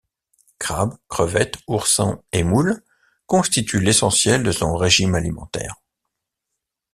Crabe, crevette, oursin et moule constituent l'essentiel de son régime alimentaire.